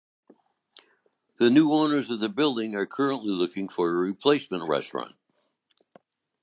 The new owners of the building are currently looking for a replacement restaurant.